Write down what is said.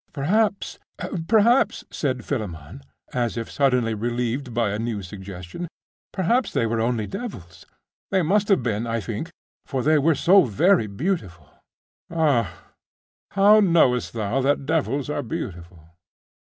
'Perhaps perhaps,' said Philammon, as if suddenly relieved by a new suggestion 'perhaps they were only devils. They must have been, I think, for they were so very beautiful.' 'Ah! how knowest thou that devils are beautiful?